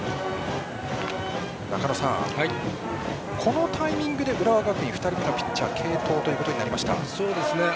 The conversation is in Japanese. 中野さん、このタイミングで浦和学院２人目のピッチャー継投となりました。